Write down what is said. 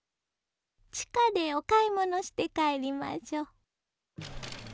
地下でお買い物して帰りましょ。